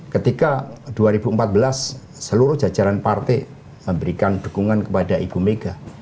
ketika dua ribu empat belas seluruh jajaran partai memberikan dukungan kepada ibu mega